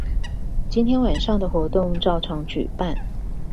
今天晚上的活動照常舉辦